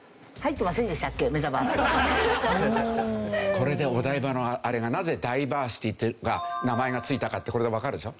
これでお台場のあれがなぜダイバーシティって名前が付いたかってこれでわかるでしょ？